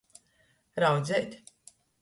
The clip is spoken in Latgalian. Raudzeit.